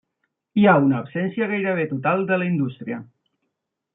Hi ha una absència gairebé total de la indústria.